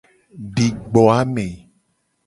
Di gbo ame.